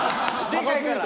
でかいから。